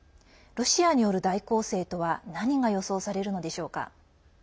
ロシアによる大攻勢とは何が予想されるのでしょうか。